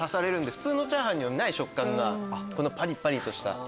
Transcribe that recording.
普通のチャーハンにない食感パリパリとした。